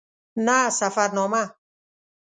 نه سفرنامه.